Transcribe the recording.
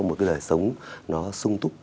một cái đời sống nó sung túc